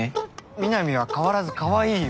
ミナミは変わらずかわいいよ。